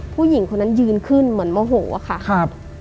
ผู้หญิงคนนั้นยืนขึ้นเหมือนโมโหอะค่ะครับ